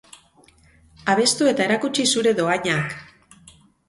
Abestu eta erakutsi zure dohainak!